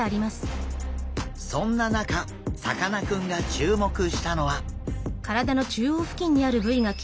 そんな中さかなクンが注目したのは。